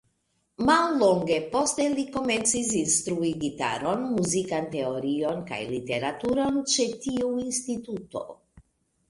Mallonge poste li komencis instrui gitaron, muzikan teorion kaj literaturon ĉe tiu instituto.